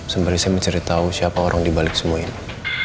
sembari saya mencari tahu siapa orang dibalik semua ini